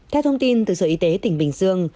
theo thông tin từ sở y tế tỉnh bình dương